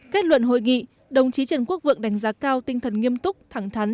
kết luận hội nghị đồng chí trần quốc vượng đánh giá cao tinh thần nghiêm túc thẳng thắn